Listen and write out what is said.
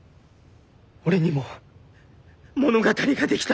俺にも物語が出来た。